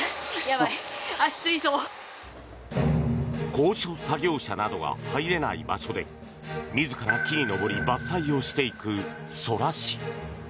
高所作業車などが入れない場所で自ら木に登り、伐採をしていく空師。